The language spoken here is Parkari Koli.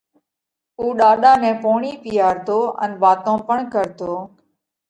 اُو ڏاڏا نئہ پوڻِي پِيئارتو ان واتون پڻ ڪرتو۔